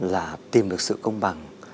là tìm được sự công bằng